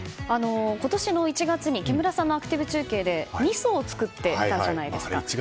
今年の１月に木村さんのアクティブ中継でみそを作ったじゃないですか。